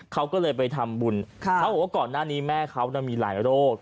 เขาก็เลยไปทำบุญเขาบอกว่าก่อนหน้านี้แม่เขามีหลายโรค